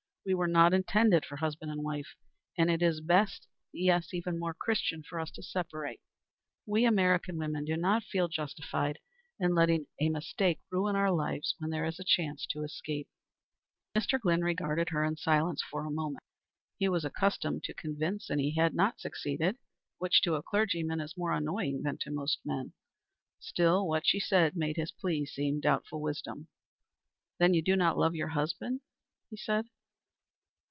We were not intended for husband and wife, and it is best yes, more Christian for us to separate. We American women do not feel justified in letting a mistake ruin our lives when there is a chance to escape." Mr. Glynn regarded her in silence for a moment. He was accustomed to convince, and he had not succeeded, which to a clergyman is more annoying than to most men. Still what she said made his plea seem doubtful wisdom. "Then you do not love your husband?" he said.